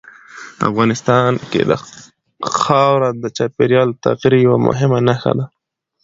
افغانستان کې خاوره د چاپېریال د تغیر یوه مهمه نښه ده.